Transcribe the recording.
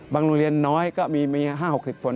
โรงเรียนน้อยก็มี๕๖๐คน